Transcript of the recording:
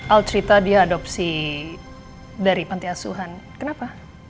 al cerita diadopsi dari panti asuhan kenapa